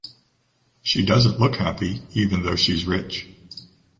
She doesn’t look happy, even though she’s rich.